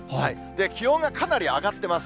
気温がかなり上がってます。